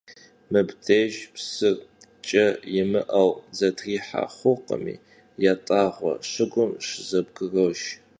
Mıbdêjj psır ç'e yimı'eu şızetrihe xhurkhımi, yat'ağue şıgum şızebgrojj.